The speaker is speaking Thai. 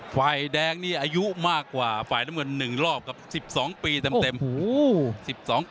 ไฟแดงนี่อายุมากกว่าไฟนมีนหนึ่งรอบสิบสองปีเต็มโอ้โห